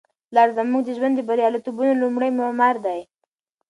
پلار زموږ د ژوند د بریالیتوبونو لومړی معمار دی.